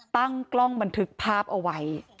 ตั้งกล้องบันทึกภาพเอาไว้